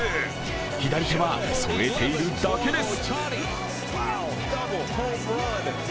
左手は添えているだけです。